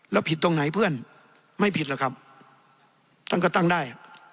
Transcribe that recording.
แล้วผิดตรงไหนเพื่อนไม่ผิดหรอกครับท่านก็ตั้งได้